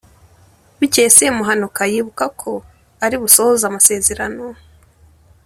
Bukeye Semuhanuka yibuka ko ari busohoze amasezerano